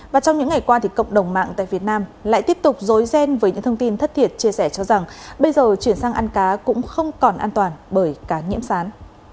và trong những ngày qua thì cộng đồng mạng tại việt nam lại tiếp tục dối ghen với những thông tin thất thiệt chia sẻ cho rằng bây giờ chuyển sang ăn cá cũng không còn an toàn bởi cá nhiễm sán